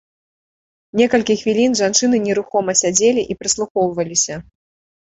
Некалькі хвілін жанчыны нерухома сядзелі і прыслухоўваліся.